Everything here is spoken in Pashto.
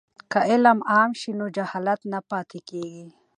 که علم عام شي نو جهالت نه پاتې کیږي.